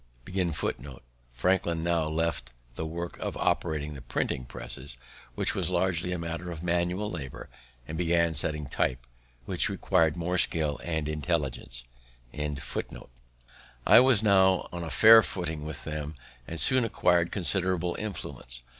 Franklin now left the work of operating the printing presses, which was largely a matter of manual labor, and began setting type, which required more skill and intelligence. I was now on a fair footing with them, and soon acquir'd considerable influence.